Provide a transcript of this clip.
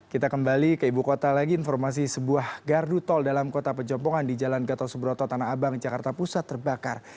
kita kembali ke ibu kota lagi informasi sebuah gardu tol dalam kota pejompongan di jalan gatot subroto tanah abang jakarta pusat terbakar